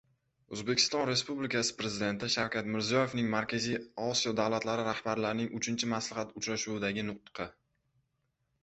O‘zbekiston Respublikasi Prezidenti Shavkat Mirziyoyevning Markaziy Osiyo davlatlari rahbarlarining uchinchi maslahat uchrashuvidagi nutqi